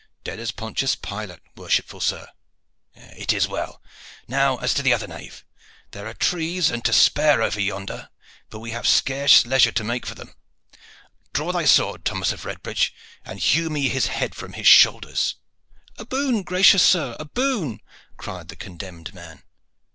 "Dead as Pontius Pilate, worshipful sir." "It is well. Now, as to the other knave. There are trees and to spare over yonder, but we have scarce leisure to make for them. Draw thy sword, Thomas of Redbridge, and hew me his head from his shoulders." "A boon, gracious sir, a boon!" cried the condemned man.